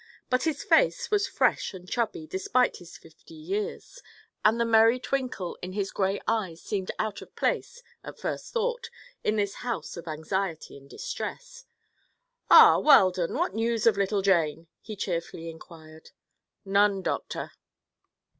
But his face was fresh and chubby, despite his fifty years, and the merry twinkle in his gray eyes seemed out of place, at first thought, in this house of anxiety and distress. "Ah, Weldon; what news of little Jane?" he cheerfully inquired. "None, Doctor."